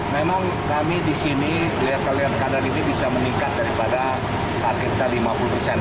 memang kami di sini lihat kalian kadar ini bisa meningkat daripada target kita lima puluh persen